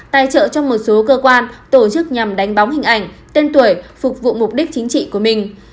tài trợ cho một số cơ quan tổ chức nhằm đánh bóng hình ảnh tên tuổi phục vụ mục đích chính trị của mình